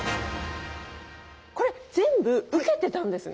これ全部受けてたんですね。